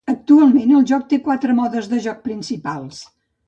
Actualment el joc té quatre modes de joc principals.